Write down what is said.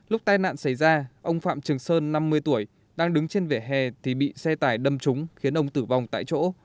lúc tai nạn xảy ra ông phạm trường sơn năm mươi tuổi đang đứng trên vỉa hè thì bị xe tải đâm trúng khiến ông tử vong tại chỗ